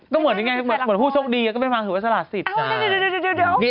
ก็เหมือนผู้โชคดีก็เป็นฟาร์มถูกว่าสละสิทธิ์